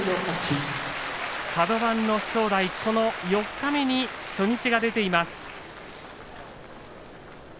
カド番の正代、この四日目に初日が出ています。